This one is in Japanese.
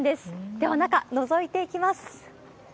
では、中のぞいていきます。